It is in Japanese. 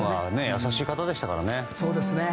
優しい方でしたからね。